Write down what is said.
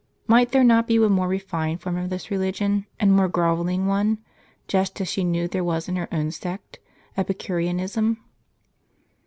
Might there not be a more refined form of this religion, and a more grovelling one ; just as she knew there was in her own sect, Epicureanism?